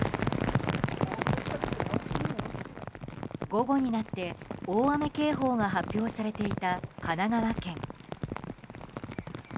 午後になって大雨警報が発表されていた神奈川県。